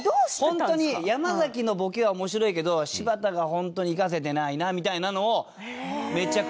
いやホントに山崎のボケは面白いけど柴田がホントに生かせてないなみたいなのをめちゃくちゃ。